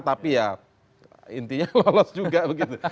tapi ya intinya lolos juga begitu